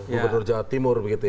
gubernur jawa timur begitu ya